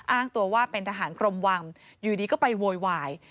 อ้างตัวว่าเป็นทหารกรมวังอยู่ดีก็ไปโวยวาย